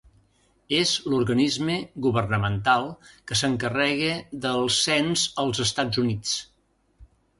És l'organisme governamental que s'encarrega del Cens als Estats Units.